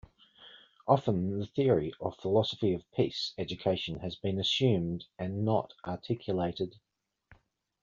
Often the theory or philosophy of peace education has been assumed and not articulated.